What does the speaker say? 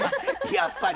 やっぱり。